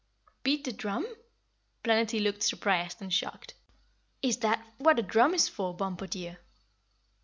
"Beat the drum?" Planetty looked surprised and shocked. "Is that for what a drum is for, Bumpo, dear?"